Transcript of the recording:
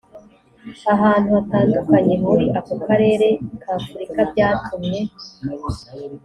ahantu hatandukanye muri ako karere k afurika byatumye